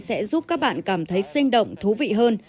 sẽ giúp các bạn cảm thấy sinh động thú vị hơn